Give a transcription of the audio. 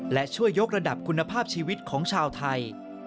และช่วยยกระดับคุณภาพชีวิตของชาวไทย